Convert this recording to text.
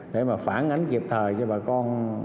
để mà phản ánh kịp thời cho bà con